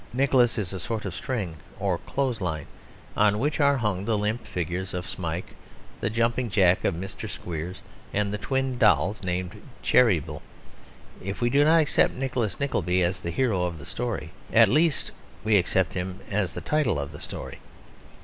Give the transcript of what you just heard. Nicholas is a sort of string or clothes line on which are hung the limp figure of Smike, the jumping jack of Mr. Squeers and the twin dolls named Cheeryble. If we do not accept Nicholas Nickleby as the hero of the story, at least we accept him as the title of the story.